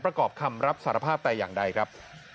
ประกอบคำรับสารภาพแต่อย่างใดครับ